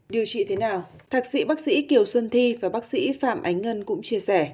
điều trị thế nào thạc sĩ bác sĩ kiều xuân thi và bác sĩ phạm ánh ngân cũng chia sẻ